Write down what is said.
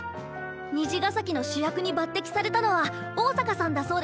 虹ヶ咲の主役に抜擢されたのは桜坂さんだそうですね。